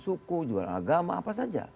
suku jual agama apa saja